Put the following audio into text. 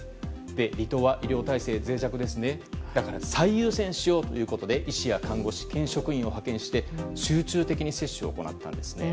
離島は医療体制が脆弱ですから最優先しようということで医師や看護師、県職員を派遣して集中的に接種を行ったんですね。